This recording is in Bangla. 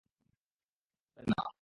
হাল্কা ভাবে নাও।